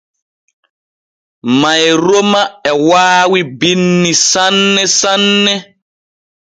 Mayroma e waawi binni sanne sanne.